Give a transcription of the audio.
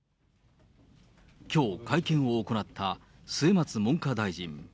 きょう、会見を行った末松文科大臣。